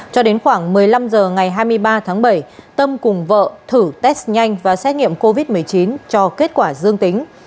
cho đến khoảng một mươi năm h ngày hai mươi ba tháng bảy tâm cùng vợ thử test nhanh và xét nghiệm covid một mươi chín cho kết quả dương tính